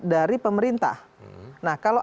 dari pemerintah nah kalau